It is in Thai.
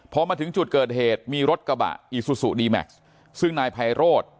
พอมาถึงจุดเกิดเหตุมีรถกระบะอีซูซูดีแม็กซ์ซึ่งนายไพโรธ